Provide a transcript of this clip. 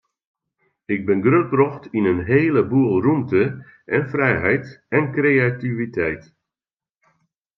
Ik bin grutbrocht yn in hele boel rûmte en frijheid en kreativiteit.